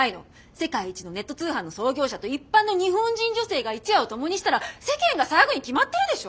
世界一のネット通販の創業者と一般の日本人女性が一夜を共にしたら世間が騒ぐに決まってるでしょ。